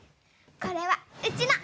これはうちの！